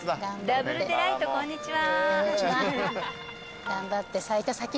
ダブルデライトこんにちは。